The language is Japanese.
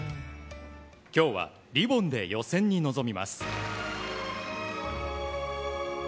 今日はリボンで予選に臨みます。